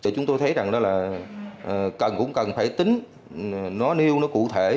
chúng tôi thấy rằng là cần cũng cần phải tính nó nêu nó cụ thể